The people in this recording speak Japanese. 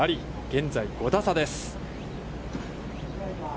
現在５打差です。